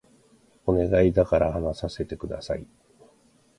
お願いだから話させて下さい